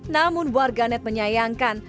namun warganet menyayangkan